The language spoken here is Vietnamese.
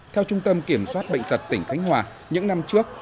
theo trung tâm kiểm soát bệnh tật tỉnh khánh hòa những năm trước